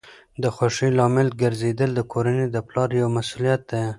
د خوښۍ لامل ګرځیدل د کورنۍ د پلار یوه مسؤلیت ده.